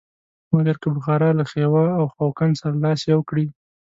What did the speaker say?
مګر که بخارا له خیوا او خوقند سره لاس یو کړي.